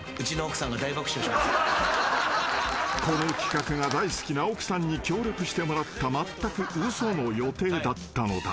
［この企画が大好きな奥さんに協力してもらったまったく嘘の予定だったのだ］